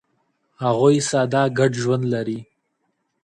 هغوی ساده ګډ ژوند لري.